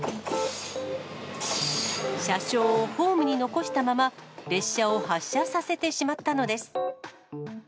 車掌をホームに残したまま、列車を発車させてしまったのです。